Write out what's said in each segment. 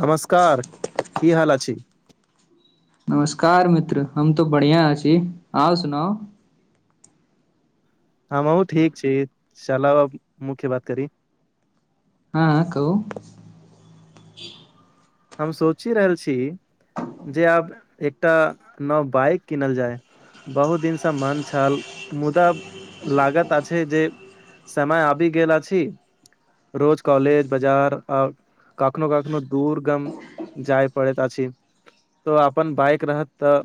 नमस्कार की हाल अछि नमस्कार मित्र हम तो बढ़ियाँ अछि आउ सुनाउ हँमहु ठीक छी चालौ मुख्य बात करी हँ कहु हम सोचि रहल छी जे आब एकटा नव बाइक किनल जाय बहुत दिनसँ मन छल मुदा लागत अछि जे समय आबि गेल अछि रोज कॉलेज बजार आ काखनो काखनो दूर गम जाय पड़ैत अछि तो अपन बाइक रहत तऽ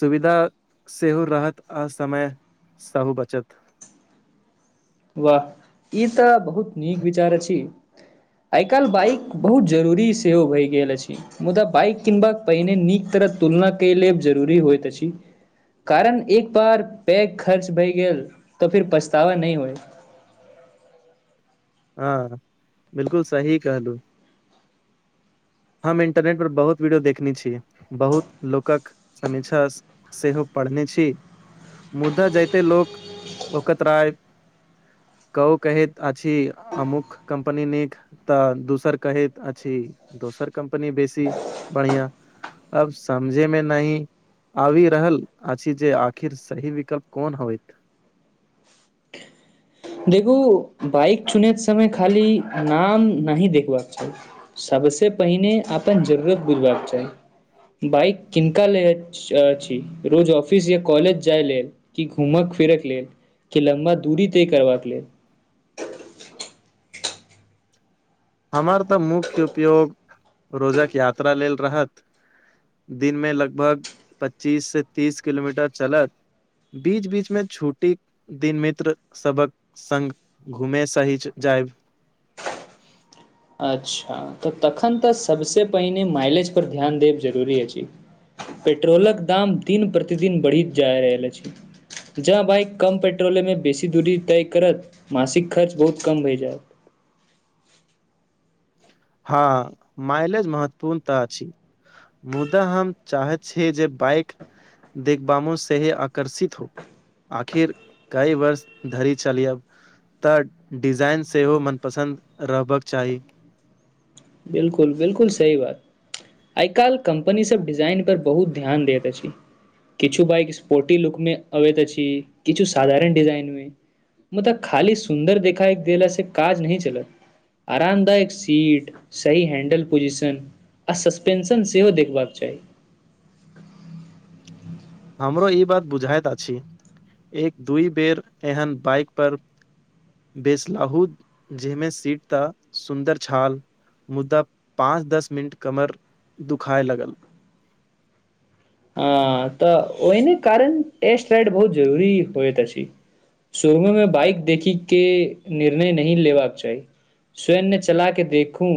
सुविधा सेहो रहत आ समय सभ बचत वाह ई तऽ बहुत नीक विचार अछि आइ काल्हि बाइक बहुत जरूरी सेहो भइ गेल अछि मुदा बाइक किनबाक पहिने नीक तरह तुलना कयले जरूरी होयत अछि कारण एक बार पैग खर्च भए गेल तऽ फिर पछतावा नहि होइत हँ बिल्कुल सही कहलू हम इंटरनेट पर बहुत वीडियो देखने छी बहुत लोकक समीक्षास सेहो पढ़ने छी मुद्दा जाइते लोक ओकतराय कहु कहैत अछि अमुक कम्पनी नीक तऽ दोसर कहैत अछि दोसर कम्पनी बेसी बढ़ियाँ अब समझे मे नहि आबि रहल अछि जे आखिर सही विकल्प कोन होएत देखूँ बाइक चुनेत समय खाली नाम नही देखबाक चाही सबसँ पहिने आपन जरुरत बुझबाक चाही बाइक किनका ले सैह छी रोज ऑफिस या कॉलेज जाय लेल कि घूमक फिरक लेल कि लम्बा दूरी तय करबाक लेल हमर त मुख्य उपयोग रोजक यात्रा लेल रहत दिन में लगभग पच्चीस से तीस किलोमीटर चलत बीच बीच मे छुट्टी दिन मित्र सबक संग घूमे सहि जायब अच्छा त तखन त सबसे पहिने माइलेज पर ध्यान देब जरुरी अछि पेट्रोलक दाम दिन प्रतिदिन बढ़ि जाय रहल अछि जह बाइक कम पेट्रोले मे बेसी दूरी तय करत मासिक खर्च बहुत कम भए जायत हँ मइलेज महत्वपूर्णता अछि मुदा हम चाहैत छियै जे बाईक देखबामो सेहे आकर्षित हो आखिर कई वर्ष धरि चलियब त डिजाइन सेहो मनपसन्द रहबक चाही बिलकुल बिलकुल सही बात आई काल्हि कंपनी सभ डिजाइन पर बहुत ध्यान दैत अछि किछु बाइक स्पोर्टी लुक में आबैत अछि किछु साधारण डिजाइन मे मुदा खाली सुन्दर देखा देल से काज नही चलत आराम दायक सीट सही हैंडल पोजिशन आ सस्पेंशन सेहो देखबाक चाही हमरो ई बात बुझाइत अछि एक दूइ बेर एहन बाइक पर बेसलाहू जेमे सीट त सुन्दर छाल मुद्दा पाँच दस मिनट कमर दुखए लगल हँ त ओहिने कारण टेस्ट राइड बहुत जरुरी होइत अछि सुरवे मे बाइक देखी के निर्णय नही लेबाक चाही स्वयन्य चला के देखूँ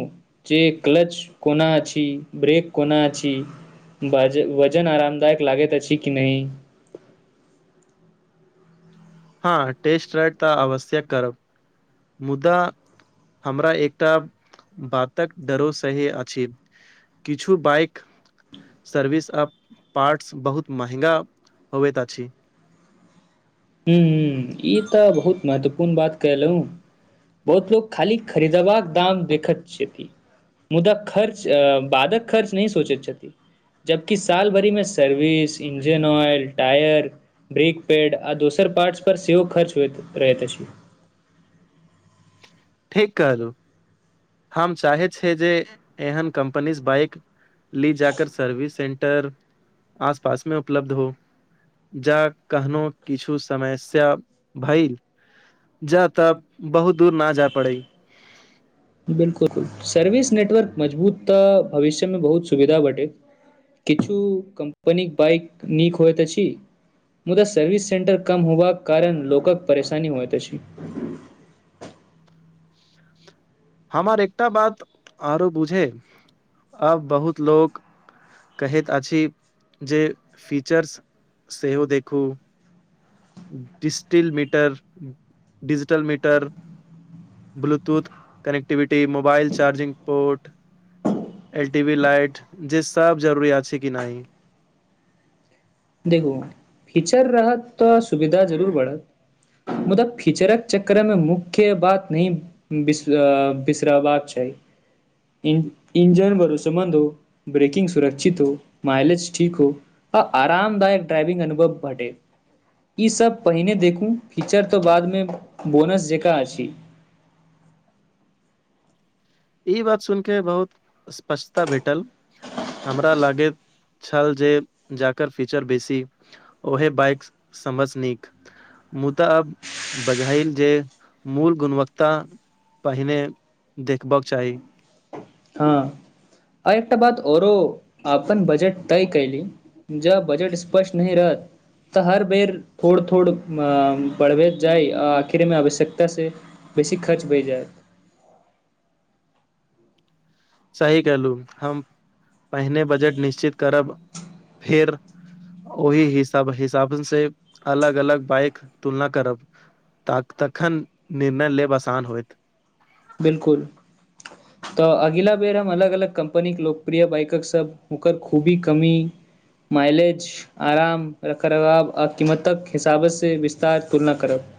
जे क्लच कोना छी ब्रेक कोना छी बाज जन आरामदायक लागेैत अछी की नहि हँ टेस्ट ड्राइव त आवश्यक करब मुदा हमरा एकटा बातक डरो सही अछि किछु बाइक सर्विस आ पार्ट्स बहुत महंगा होएत अछि हुँ हुँ ई तऽ बहुत महत्वपूर्ण बात केलहुँ बहुत लोक खाली खरीदबाक दाम देखेत छथि मुदा खर्च बादक खर्च नहि सोचैत छथि जबकि साल भरिमे service engine oil tyre brake pad आ दोसर पार्टस पर सेहो खर्च होत रहत अछि ठीक कहलहुँ हम चाहै छियै जे एहन कम्पनीज बाइक ली जाके सर्विस सेंटर आस पास मे उपलब्ध हो जा कखनो किछु समस्या भई जा त बहुत दूर न जाय पड़ै बिलकुल सर्विस नेटवर्क मजबूत त भविष्यमे बहुत सुविधा बाटे किछु कम्पनीक बाइक नीक होइत अछि मुदा सर्विस सेेंटर कम होबाक कारण लोकक परेशानी होइत अछि हमर एकटा बात आरो बुझे अब बहुत लोक कहैत अछि जे फीचर्स सेहो देखूँ डिस्टिल्ड meter digital meter Bluetooth connectivity mobile charging port L T V light जे सब जरूरियात छै कि नहि देखू फीचर रहत तऽ सुविधा जरूर बढ़त मुदा फिचरक चक्र मे मुख्य बात न बीस बिश्रावाक चाहि इंजन भरोसमन्द हो ब्रेकिंग सुरक्षित हो माइलेज ठीक हो आ आरामदायक ड्राइविंग अनुभव ब ई सब पहिने देखू फीचर तऽ बादमे बोनस जकाँ अछि ई बात सुन के बहुत स्पष्टता भेटल हमरा लागैत छल जे जकर फीचर बेसी ओहे बाइक समझ नीक मुदा बझाइल जे मूल गुणवक्तता पहिने बक चाही हँ आ एकटा बात आऔरो अपन बजट तय कयली ज बजट स्पष्ट नहि रहत तऽ हर बेर थोड़ थोड़ अ बढ़बैत जाइ आ आखिरे मे आवश्यकता से बेसी खर्च भढ़ जायत सही कहलू हम पहिने बजट निश्चित करब फेर ओहि हिसाब हिसाब से अलग अलग बाइक तुलना करब त तखन निर्णय लेब आसान होयत बिलकुल [inaudible] तऽ अगिला बेर हम अलग अलग कम्पनीके लोकप्रिय बाइकक सब हुकर खूबी कमी माइलेज आराम रखरखाव आ कीमतक हिसाबत से विस्तार तुलना करब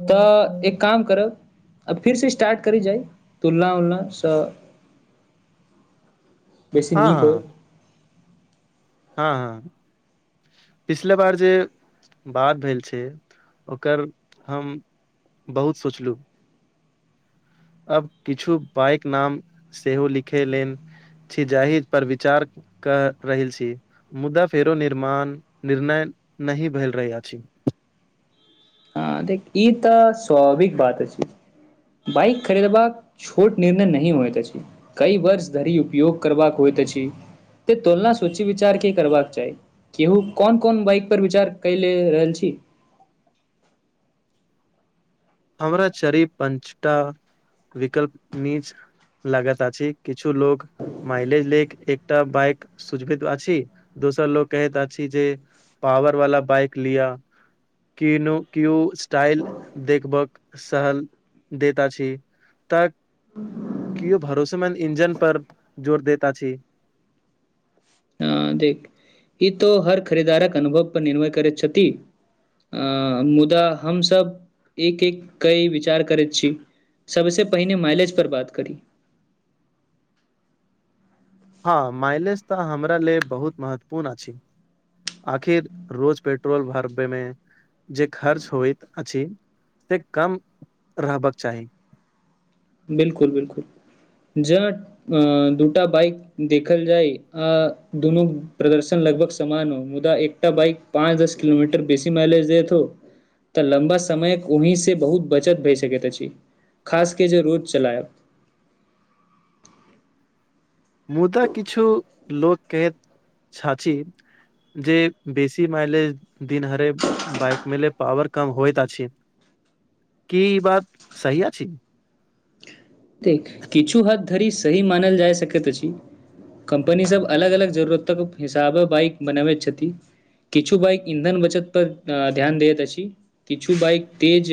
हँ तऽ एक काम करब आ फिरसँ स्टार्ट करी जाइ तुलना उलनासँ बेसी नीक होइ हँ हँ हँ पिछले बार जे बात भेल छै ओकर हम बहुत सोचलहुँ अब किछु बाइक नाम सेहो लिखेलेल छी जाहि पर विचार क रहल छी मुदा फेरो निर्माण निर्णय नहि भेल रहै अछि हँ देख ई तऽ स्वाविक बात छै बइक खरीदबाक छोट निर्णय नहि होयइत अछि कई वर्ष धरि उपयोग करबाक होइत अछि त तुलना सूचि विचार क करबाक चाही केहू कोन कोन बाइक पर विचार कले रहल छी हमरा चरी पञचटा विकल्प नीच लागात अ छी किछु लोक माइलेज लेख एकटा बइक सुझबित अछी दोसर लोको कहैत जे अछी पॉवर वाला बाइक लिया केनो केयू स्टाइल देखभ सहल देता छी तऽ के भरोसेमेन्द इंजन पर जोर देता छी अ देख ई त हर खरीदारक अनुभव पर निर्भय करैत छथि अ मुदा हमसभ एक एक क‌इ विचार करैत छी सबसे पहिने माइलेज पर बात करी हँ माइलेज तऽ हमरा ले बहुत महत्वपूर्ण अछि आखिर रोज पेट्रोल भरबे मे जे खर्च होइत अछि से कम रहबाक चाही बिलकुल बिलकुल ज अ दूटा बाइक देखल जाय अ दुनू प्रदर्शन लगभग समान हो मुदा एकटा बाइक पाँच दस किलोमीटर बेसी माइलेज द देतो तऽ लम्बा समयक ओहि से बहुत बचत भए सकैत अछि खासके जे रोज चलायब मुदा किछु लोक कहैत छछी जे बेसी माईलेज दिन हरे बाइक मे पावर कम होइत आ छै की बात सही अछि किछु हथ धरी सह मानल जाइ सकैत छी कम्पनीसभ अलग अलग जरूरतक हिसाबे बाइक बनाबैत छथि किछु बाइक इन्धन बचत पर ध्यान दैत अछि किछु बइक तेज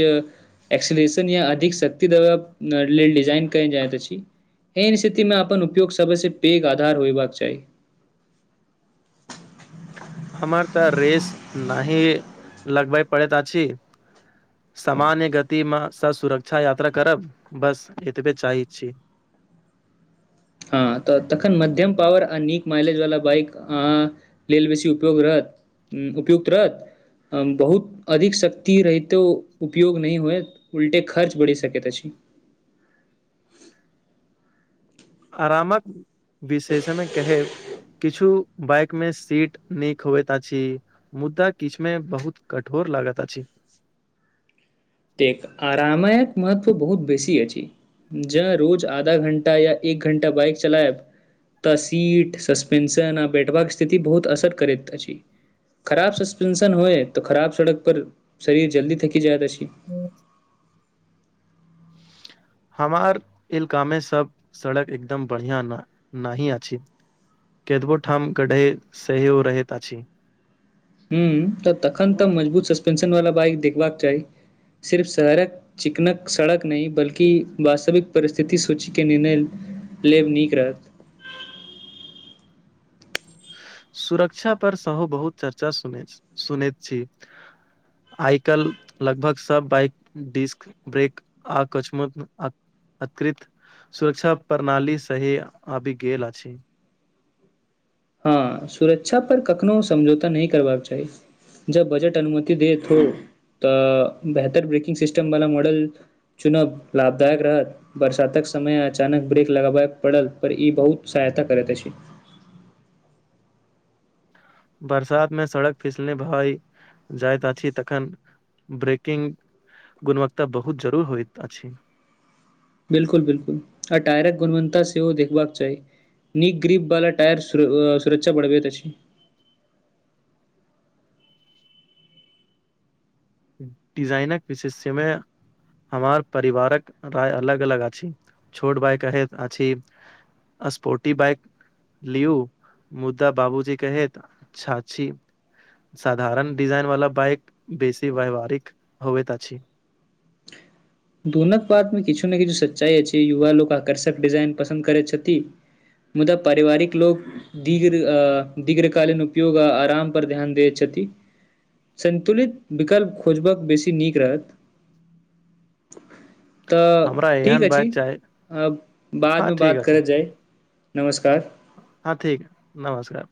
एक्सिनेशन या अधिक सक्ति दबा न जैनक जाइत अछि एहिन स्थिति मे अपन उपयोग सबसँ पैघ आधार होयबाक चाही हमर तऽ रेस नही लगबे पड़ैत अछि सामान्य गति मे स सुरक्षा यात्रा करब बस एतबे चाहै छी हँ तऽ तखन मध्यम पावर आ नीक माइलेज वाला बाइक अ लेल बेसी उपयोग रहत उपयुक्त रहत बहुत अधिक शक्ति रहितो उपयोग नहि होइत उलटे खर्च बढ़ी सकेत अछि अरामक विशेषमे कहेब किछु बाइक मे सीट नीक होईत अछि मुद्दा किछु मे बहुत कठोर लागत आछि एक आरामायक महत्व बहुत बेसी अछि ज रोज आधा घंटा या एक घंटा बाइक चलायब तऽ सीट सस्पेंशन आ बैठबाक स्थिति बहुत असर करैत अछि खराब सस्पेंशन होए तो खराब सड़क पर शरीर जल्दी थकि जायत अछि हूँ हमार इलका मे सब सड़क एकदम बढ़िया न नही अछि कतबो ठाम गढ़ै सहयो रहैत अछि हुँ तऽ तखन तऽ मजबूत सस्पेंशन वाला बाइक देखबाक चाही सिर्फ शहरक चिकनक सड़क नहि बल्कि वास्तविक परिस्थिति सूची के निर्णय लेब नीक रहत सुरक्षा पर सेहो बहुत चर्चा सुनैत सुनैत छी आइ काल लगभग सब बाइक डिस्क ब्रेक अकस्मत अक अकृत सुरक्षा प्रणाली सही आबि गेल आछि हँ सुरक्षा पर कखनो समझौता नहि करबाक चाही जब बजट अनुमति देत तऽ बेहतर ब्रेकिंग सिस्टम वाला मॉडल चुनब लाभदायक रहत बरसातक समय अचानक ब्रेेक लगाबय पड़ल पर ई बहुत सहायता करैत अछि बरसात मे सड़क फिसल भाय जाइत अछि तखन ब्रेकिंग गुणवत्ता बहुत जरूर होइत अछि बिलकुल बिलकुल आ टायरट गुणवत्ता सेहो देखबाक चाही नीक ग्रीप बला टायर सुर सुरक्षा बढ़बैत अछि डिजाइनक विशेषमे हमार परिवारक राय अलग अलग अछि छोट भाय कहैत अछि आ स्पोर्टी बाइक लिू मुद्दा बाबूजी कैहत अछि साधारण डिजाइन वाला बाइक बेसी व्याववहारिक होवेत अछि दूनक बातमे किछु ने किछु सच्चाइ छै युवा लोक आकर्षक डिजाइन पसन्द करैत छथि मुदा पारिवारिक लोक दीघ दीर्घकालीन उपयोग आरााम पर ध्यान दय छथि सन्तुलित विकल्प खोजबक बेसी नीक रहत तऽ हमरा ठीक एहन अछि बाइक चाही हँ बादमे ठीक बात अछि करैत जाइ नमस्कार हँ ठीक ह नमस्कार